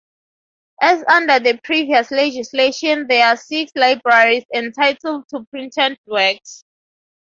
As under the previous legislation there are six libraries entitled to printed works.